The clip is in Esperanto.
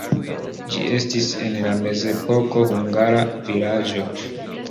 Ĝi estis en la mezepoko hungara vilaĝo.